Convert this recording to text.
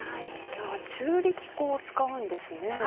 今日は中力粉を使うんですね。